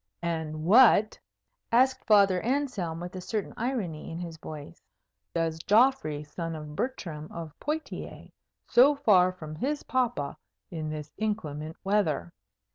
"And what," asked Father Anselm, with a certain irony in his voice, "does Geoffrey, son of Bertram of Poictiers, so far away from his papa in this inclement weather?"